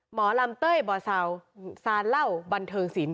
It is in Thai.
หมอลำเต้ยบอสาวซานเล่าบันเทิงสิน